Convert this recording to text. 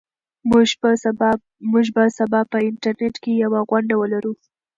موږ به سبا په انټرنيټ کې یوه غونډه ولرو.